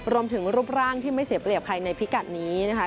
รูปร่างที่ไม่เสียเปรียบใครในพิกัดนี้นะคะ